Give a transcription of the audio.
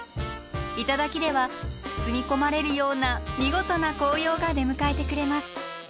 頂では包み込まれるような見事な紅葉が出迎えてくれます。